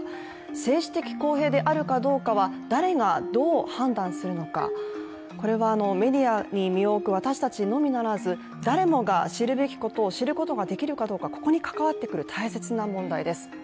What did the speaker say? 政治的公平であるかどうかは誰がどう判断するのか、これはメディアに身を置く私たちのみならず誰もが知るべきことを知ることができるかどうか、ここに関わってくる大切な問題です。